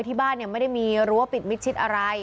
ที่บ้านไม่ได้มีรั้วปิดมิดชิดอะไร